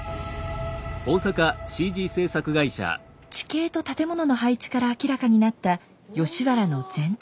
地形と建物の配置から明らかになった吉原の全体像。